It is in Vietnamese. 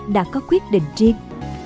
đã có quyết định riêng